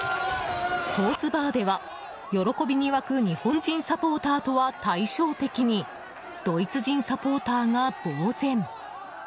スポーツバーでは、喜びに沸く日本人サポーターとは対照的にドイツ人サポーターがぼうぜん。